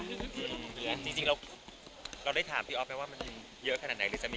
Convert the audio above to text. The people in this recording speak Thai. จริงเราได้ถามพี่อ๊อฟไหมว่ามันเยอะขนาดไหนหรือจะมี